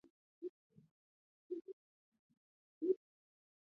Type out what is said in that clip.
全线两线双向行车。